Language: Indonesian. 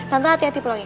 tante hati hati pulang ya